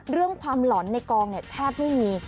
เรื่องความหล่อนในกองเนี่ยแทบไม่มี